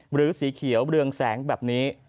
หรือสีเขียวเรืองแสงแบบนี้